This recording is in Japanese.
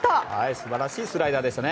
素晴らしいスライダーでしたね。